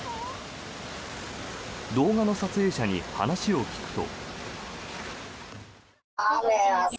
動画の撮影者に話を聞くと。